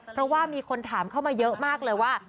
เพราะว่ามีคนถามเข้ามาเยอะมากเลยว่า